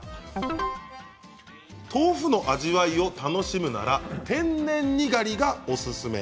豆腐の味わいを楽しむなら天然にがりがおすすめ。